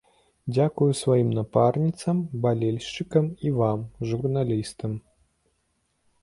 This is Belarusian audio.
Дзякую сваім напарніцам, балельшчыкам і вам, журналістам.